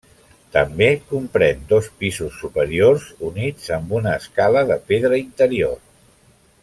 També comprèn dos pisos superiors units amb una escala de pedra interior.